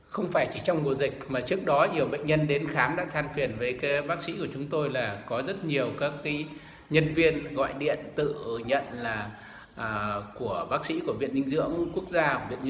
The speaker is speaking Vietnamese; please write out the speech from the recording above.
không phải chỉ trong mùa dịch mà trước đó nhiều bệnh nhân đến khám đã than phiền với bác sĩ của chúng tôi là có rất nhiều các nhân viên gọi điện tự nhận là của bác sĩ của viện dinh dưỡng quốc gia